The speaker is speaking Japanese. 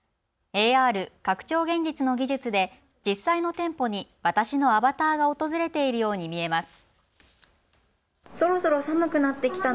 ＡＲ・拡張現実の技術で実際の店舗に私のアバターが訪れているように見えます。